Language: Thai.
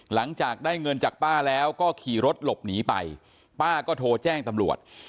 หลังจากได้เงินจากป้าแล้วก็ขี่รถหลบหนีไปป้าก็โทรแจ้งตำรวจ